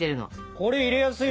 これ入れやすいわ。